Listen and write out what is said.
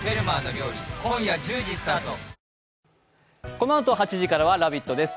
このあと８時からは「ラヴィット！」です